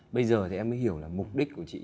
bây giờ thì em mới hiểu là mục đích của chị